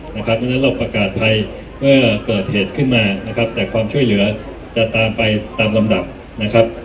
เพราะฉะนั้นเราประกาศภัยเมื่อเกิดเหตุขึ้นมานะครับแต่ความช่วยเหลือจะตามไปตามลำดับนะครับ